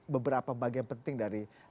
beberapa bagian penting dari